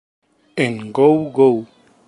En "Go Go!